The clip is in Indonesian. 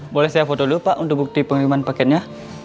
boleh saya foto dulu pak untuk bukti pengumuman paketnya